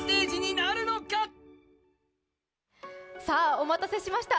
お待たせしました。